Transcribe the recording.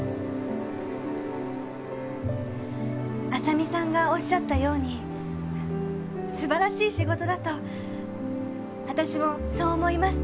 浅見さんがおっしゃったように素晴らしい仕事だと私もそう思います。